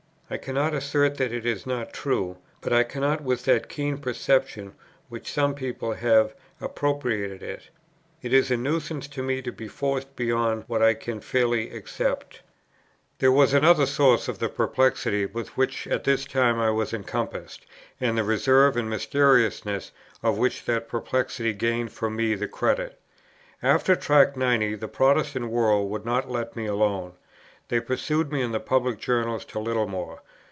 I cannot assert that it is not true; but I cannot, with that keen perception which some people have, appropriate it. It is a nuisance to me to be forced beyond what I can fairly accept." There was another source of the perplexity with which at this time I was encompassed, and of the reserve and mysteriousness, of which that perplexity gained for me the credit. After Tract 90 the Protestant world would not let me alone; they pursued me in the public journals to Littlemore.